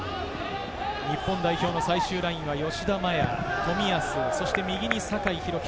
日本代表の最終ラインは吉田麻也、冨安、そして右に酒井宏樹。